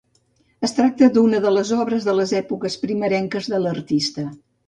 Es tracta d'una de les obres de les èpoques primerenques de l'artista.